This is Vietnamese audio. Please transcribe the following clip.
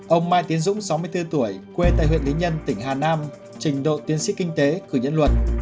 ông mai tiến dũng sáu mươi bốn tuổi quê tại huyện lý nhân tỉnh hà nam trình độ tiến sĩ kinh tế cử nhân luật